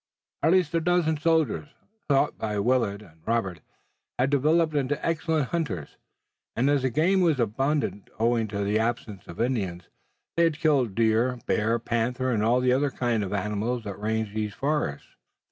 At least a dozen soldiers, taught by Willet and Robert, had developed into excellent hunters, and as the game was abundant, owing to the absence of Indians, they had killed deer, bear, panther and all the other kinds of animals that ranged these forests.